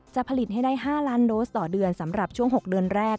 จะผลิตให้ได้๕ล้านโดสต่อเดือนสำหรับช่วง๖เดือนแรก